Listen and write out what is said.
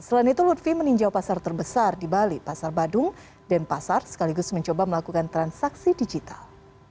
selain itu lutfi meninjau pasar terbesar di bali pasar badung dan pasar sekaligus mencoba melakukan transaksi digital